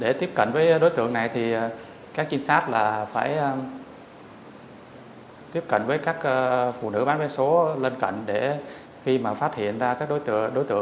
để tiếp cận với đối tượng này thì các trinh sát là phải tiếp cận với các phụ nữ bán vé số lên cạnh để khi mà phát hiện ra các đối tượng này đến gã hỏi một phần